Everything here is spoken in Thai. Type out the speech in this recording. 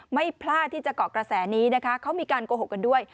ไม่พลาดที่จะเกาะกระแสนี้นะคะเขามีการโกหกกันด้วย